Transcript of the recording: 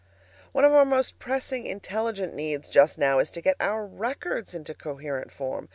One of our most pressing INTELLIGENT needs just now is to get our records into coherent form.